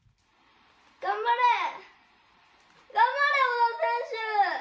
頑張れ、頑張れ、小田選手。